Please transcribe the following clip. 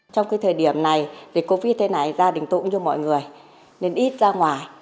trong cái thời điểm này dịch covid thế này gia đình tôi cũng như mọi người nên ít ra ngoài